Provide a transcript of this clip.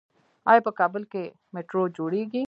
آیا په کابل کې میټرو جوړیږي؟